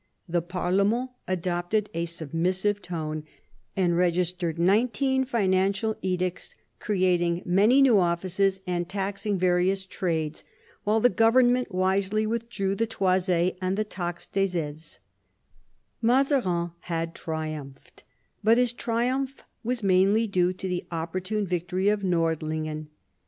The parlement adopted a sub missive tone and registered nineteen financial edicts, creating many new offices and taxing various trades ; while the government wisely withdrew the tois4 and the taxe des aises, Mazarin had triumphed, but his triumph was mainly due to the opportune victory of Nordlingen.